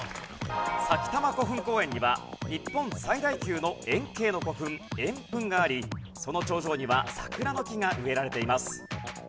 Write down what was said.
さきたま古墳公園には日本最大級の円形の古墳円墳がありその頂上には桜の木が植えられています。